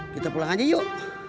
kita pulang aja yuk